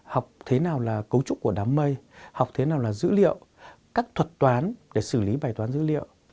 học thế nào là cấu trúc của đám mây học thế nào là dữ liệu các thuật toán để xử lý bài toán dữ liệu